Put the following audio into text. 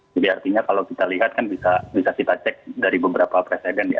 jadi artinya kalau kita lihat kan bisa kita cek dari beberapa presiden ya